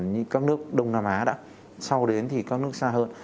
như các nước đông nam á đã sau đến thì các nước xa hơn